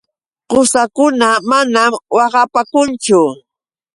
Qusakuna manam waqapaakunchu.